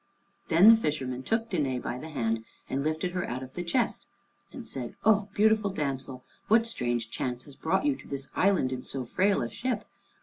Then the fisherman took Danæ by the hand and lifted her out of the chest and said, "O beautiful damsel, what strange chance has brought you to this island in so frail a ship?